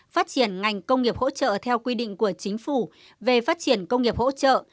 phát triển ngành công nghiệp hỗ trợ theo quy định của chính phủ về phát triển công nghiệp hỗ trợ